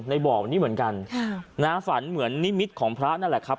ในบ่อนี้เหมือนกันฝันเหมือนนิมิตของพระนั่นแหละครับ